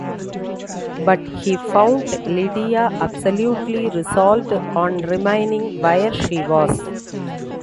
But he found Lydia absolutely resolved on remaining where she was.